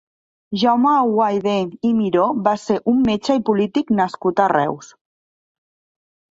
Jaume Aiguader i Miró va ser un metge i polític nascut a Reus.